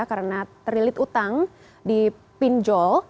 karena terlilit utang di pinjol